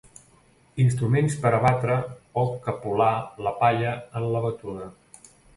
Instruments per a batre o capolar la palla en la batuda.